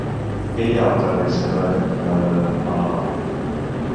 Què hi ha al carrer Cerdà cantonada Malnom?